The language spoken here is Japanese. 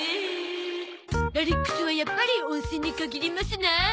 ラリックスはやっぱり温泉に限りますなあ。